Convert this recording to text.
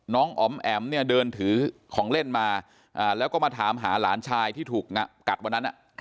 อ๋อมแอ๋มเนี่ยเดินถือของเล่นมาแล้วก็มาถามหาหลานชายที่ถูกกัดวันนั้น